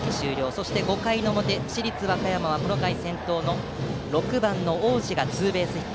そして５回の表市立和歌山はこの回先頭の６番の大路がツーベースヒット。